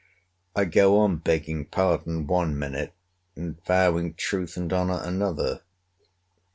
I go on, begging pardon one minute; and vowing truth and honour another.